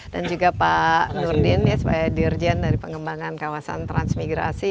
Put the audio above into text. dan juga pak nurdin sebagai dirjen dari pengembangan kawasan transmigrasi